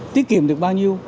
tiết kiệm được bao nhiêu